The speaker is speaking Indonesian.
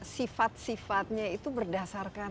sifat sifatnya itu berdasarkan